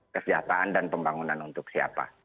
kesejahteraan dan pembangunan untuk siapa